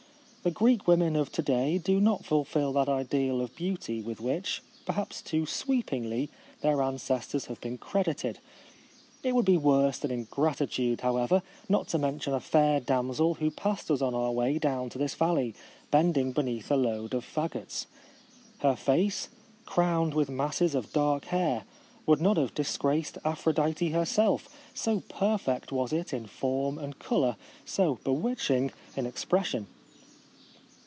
The Greek women of to day do not fulfil that ideal of beauty with which, per haps too sweepingly, their ancestors have been credited. It would be worse than ingratitude, however, not to mention a fair damsel who passed us on our way down to this valley, bending beneath a load of fagots. Her face, crowned with masses of dark hair, would not have disgraced Aphrodite herself, so per fect was it in form and colour, so bewitching in expression.